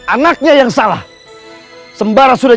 anaknya yang salah sembara sudah